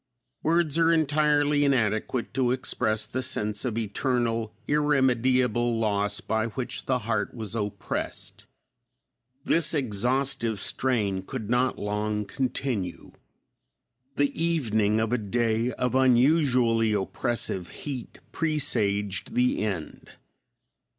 Words are entirely inadequate to express the sense of eternal, irremediable loss by which the heart was oppressed. This exhaustive strain could not long continue. The evening of a day of unusually oppressive heat presaged the end.